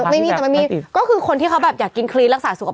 ไม่มีแต่มันมีก็คือคนที่เขาแบบอยากกินคลีนรักษาสุขภาพ